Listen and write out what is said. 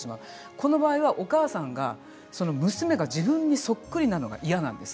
この場合、お母さんが娘が自分にそっくりなのが嫌なんです。